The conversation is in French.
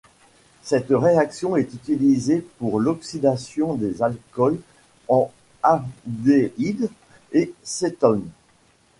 Cette réaction est utilisée pour l'oxydation des alcools en aldéhydes et cétones.